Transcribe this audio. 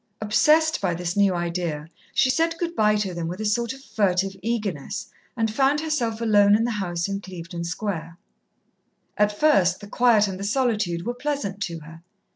Obsessed by this new idea, she said good bye to them with a sort of furtive eagerness, and found herself alone in the house in Clevedon Square. At first the quiet and the solitude were pleasant to her.